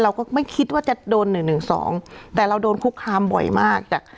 เราก็ไม่คิดว่าจะโดนหนึ่งหนึ่งสองแต่เราโดนคุกคามบ่อยมากจาก